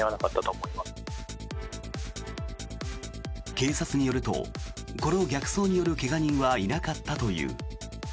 警察によると、この逆走による怪我人はいなかったという。